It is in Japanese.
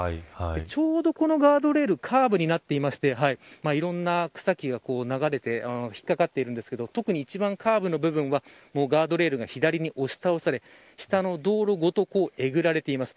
ちょうどこのガードレールカーブになっていましていろんな草木が流れて引っかかっているんですけど特に一番カーブの部分はガードレールが押し倒され道路ごとえぐられています。